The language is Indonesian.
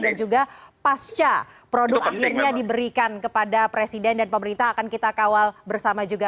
dan juga pasca produk akhirnya diberikan kepada presiden dan pemerintah akan kita kawal bersama juga